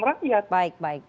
dan kegiatan rakyat